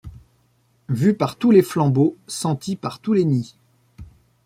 Vu par tous les flambeaux, senti par tous les nids